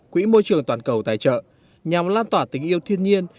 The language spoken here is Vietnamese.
quỹ môi trường toàn cầu tài trợ nhằm lan tỏa tình yêu thiên nhiên